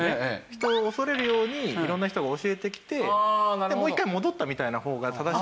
人を恐れるように色んな人が教えてきてでもう一回戻ったみたいな方が正しいんじゃないかなって